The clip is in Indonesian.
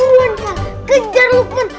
jarinya indra butut